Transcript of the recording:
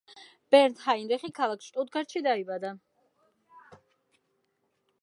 ბერნდ ჰაინრიხი ქალაქ შტუტგარტში დაიბადა.